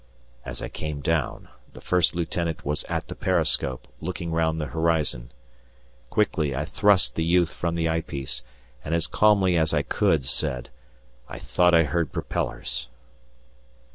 As I came down, the First Lieutenant was at the periscope, looking round the horizon. Quickly I thrust the youth from the eyepiece, and, as calmly as I could, said: "I thought I heard propellers."